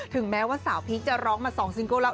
แม้ว่าสาวพีคจะร้องมา๒ซิงเกิ้ลแล้ว